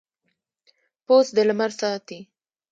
پوست د لمر ساتي.